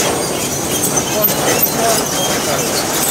A buon intenditor, poche parole.